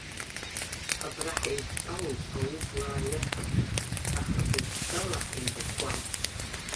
Абра ҳаидтәалоуп аублаа иашақәа, аха бызшәала ҳаибакуам.